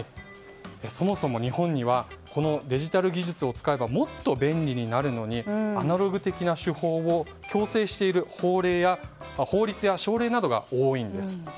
そもそも日本はデジタル技術があればもっと便利になるのにアナログ的な手法を強制している法律や省令などが多いんです。